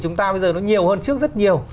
chúng ta bây giờ nhiều hơn trước rất nhiều